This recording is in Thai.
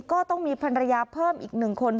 ก็ต้องมีภรรยาเพิ่มอีก๑คน